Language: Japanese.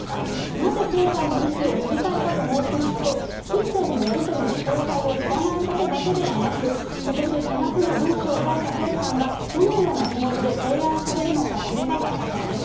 なぜ圭さんの意思を知りたいかと申しますと、金銭のやり取りの詳細を知らないことだけではなく、ことし４月の文書を書いた圭さんがどのような気持ちで提案されるのか知りたかったからです。